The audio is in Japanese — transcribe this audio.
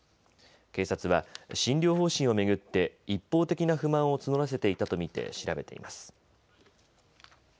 警察は診療方針を巡って一方的な不満を募らせていたと見て調べています。